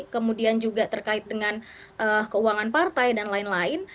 kemudian juga terkait dengan keuangan partai dan lain lain